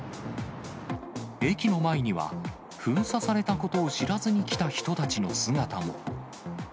駅の前には、封鎖されたことを知らずに来た人たちの姿も。